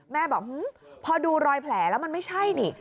แม่บอกพอดูรอยแผลแล้วมันไม่ใช่นี่